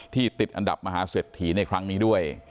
ติดอันดับมหาเศรษฐีในครั้งนี้ด้วย